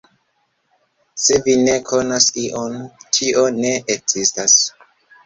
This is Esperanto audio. Se vi ne konas ion, tio ne ekzistas.